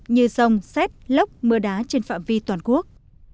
như sông xét lốc mưa đá trên phạm vi toàn quốc